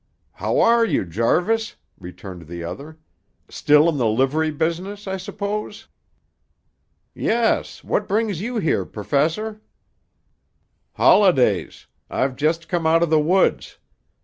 "How are you, Jarvis?" returned the other. "Still in the livery business, I suppose?" "Yes. What brings you here, Perfessor?" "Holidays. I've just come out of the woods.